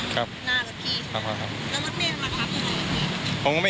ครับครับครับครับครับครับครับครับครับครับครับ